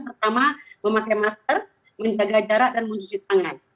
pertama memakai masker menjaga jarak dan mencuci tangan